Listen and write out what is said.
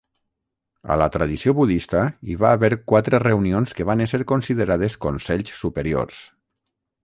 A la tradició budista hi va haver quatre reunions que van ésser considerades Consells Superiors.